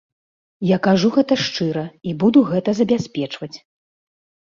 Я кажу гэта шчыра і буду гэта забяспечваць.